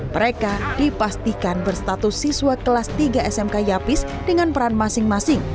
mereka dipastikan berstatus siswa kelas tiga smk yapis dengan peran masing masing